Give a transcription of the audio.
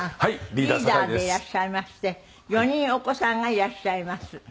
リーダーでいらっしゃいまして４人お子さんがいらっしゃいます。